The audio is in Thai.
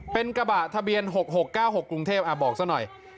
เป็นกระบะทะเบียนหกหกเก้าหกกรุงเทพอ่ะบอกซะหน่อย